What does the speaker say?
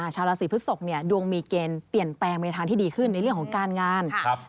ชาวราศีพฤศกดวงมีเกณฑ์เปลี่ยนแปลงในทางที่ดีขึ้นในเรื่องของการงาน